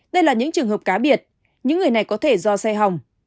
đây là những trường hợp cá biệt những người này có thể do xe hỏng